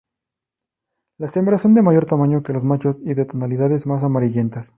Las hembras son de mayor tamaño que los machos y de tonalidades más amarillentas.